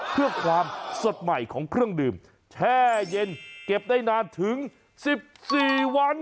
เพื่อความสดใหม่ของเครื่องดื่มแช่เย็นเก็บได้นานถึง๑๔วัน